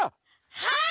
はい！